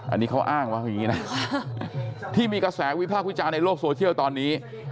อันนี้เขาอ้างว่าอย่างนี้นะที่มีกระแสวิพากษ์วิจารณ์ในโลกโซเชียลตอนนี้